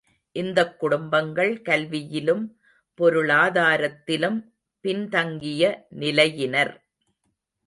இந்தக் குடும்பங்கள் கல்வியிலும் பொருளாதாரத்திலும் பின்தங்கிய நிலையினர்.